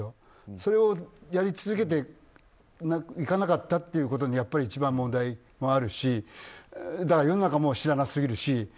それをやり続けていかなかったということにやっぱり一番問題があるし世の中も知らなすぎるし。